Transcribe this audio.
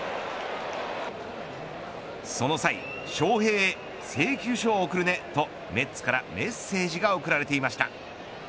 その際、翔平へ請求書を送るねとメッツからメッセージが送られていました。